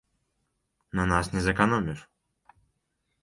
На нас не зэканоміш.